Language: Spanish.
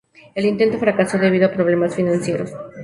El intento fracasó debido a problemas financieros.